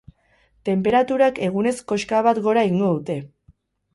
Tenperaturak egunez koska bat gora egingo dute.